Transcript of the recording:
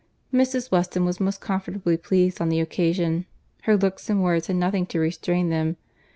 Mrs. Weston was most comfortably pleased on the occasion. Her looks and words had nothing to restrain them.